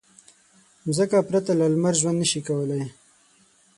مځکه پرته له لمر ژوند نه شي کولی.